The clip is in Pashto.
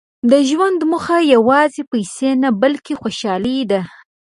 • د ژوند موخه یوازې پیسې نه، بلکې خوشالي ده.